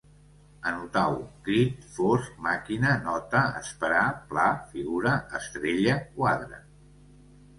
Anotau: crit, fosc, màquina, nota, esperar, pla, figura, estrella, quadre